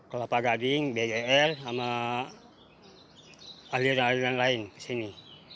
kelapa gading bgr sama aliran aliran lain ke sini